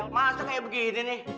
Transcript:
masa kayak begini nih